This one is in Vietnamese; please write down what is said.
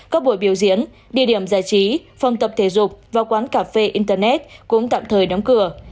các buổi biểu diễn địa điểm giải trí phòng tập thể dục và quán cà phê internet cũng tạm thời đóng cửa